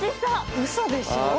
ウソでしょ？